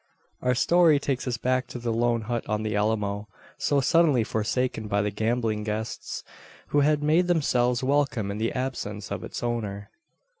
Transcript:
Our story takes us back to the lone hut on the Alamo, so suddenly forsaken by the gambling guests, who had made themselves welcome in the absence of its owner.